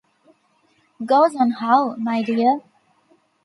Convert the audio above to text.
Goes on how, my dear?